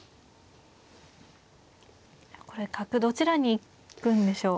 これ角どちらに行くんでしょう。